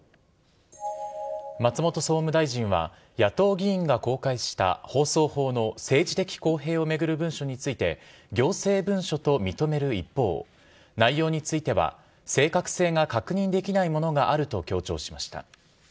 松本総務大臣は、野党議員が公開した放送法の政治的公平を巡る文書について、行政文書と認める一方、内容については正確性が確認できないものがあると強調しました。